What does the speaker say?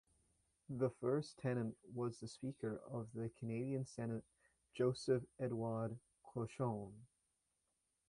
The first tenant was the Speaker of the Canadian Senate Joseph Edouard Cauchon.